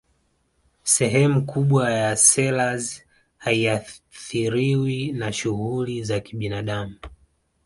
sehemu kubwa ya selous haiathiriwi na shughuli za kibinadamu